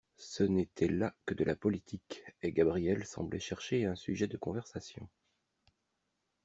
Ce n'était là que de la politique, et Gabrielle semblait chercher un sujet de conversation.